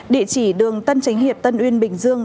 địa chỉ đường tân tránh hiệp tân uyên bình dương